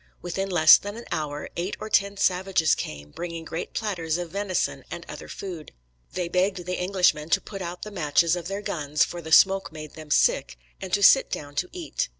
Within less than an hour, eight or ten savages came, bringing great platters of venison and other food. They begged the Englishmen to put out the matches of their guns, for the "smoke made them sick," and to sit down to eat.